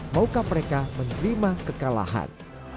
maukah mereka menerima kekalahan